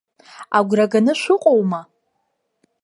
Агәра ганы шәыҟоума?